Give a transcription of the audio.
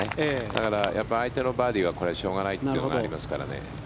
だから、相手のバーディーはしょうがないということになりますから。